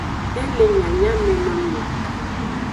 De le nyanyamenomi o.